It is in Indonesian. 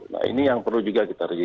nah ini yang perlu juga kita rejeki